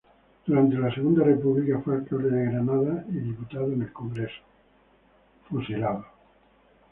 Durante la Segunda República fue alcalde de Granada y diputado en el Congreso.